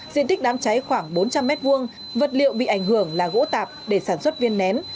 diện tích đám cháy khoảng bốn trăm linh m hai vật liệu bị ảnh hưởng là gỗ tạp để sản xuất viên nén